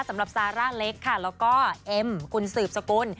สำหรับซาร่าเล็กค่ะแล้วก็เอ็มคุณสืบสกุล